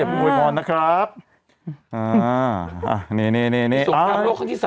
อย่าเพียงโวยพรนะครับอ่านี่นี่นี่นี่อ่าสมคราบโลกครั้งที่๓